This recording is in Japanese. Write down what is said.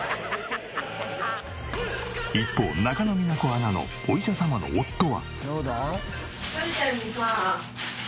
一方中野美奈子アナのお医者様の夫は。